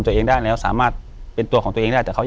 อยู่ที่แม่ศรีวิรัยิลครับ